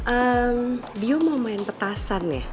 ehm dio mau main petasan ya